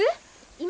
今。